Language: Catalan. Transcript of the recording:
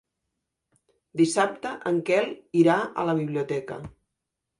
Dissabte en Quel irà a la biblioteca.